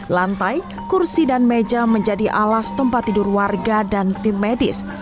lantai kursi dan meja menjadi alas tempat tidur warga dan tim medis